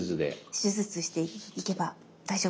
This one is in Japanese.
手術していけば大丈夫です。